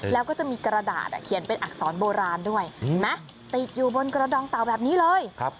แล้วก็จะมีกระดาษเขียนเป็นอักษรโบราณด้วยเห็นไหมติดอยู่บนกระดองเต่าแบบนี้เลย